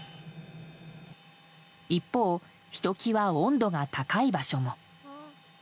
一方ひときわ温度が高い場所も。